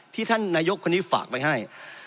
ท่านนายกคนนี้ฝากไปให้